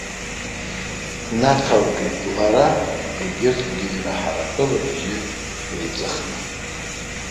Наҭалкит лара, егьырҭгьы ирахартәы, лыбжьы ҩеиҵыхны.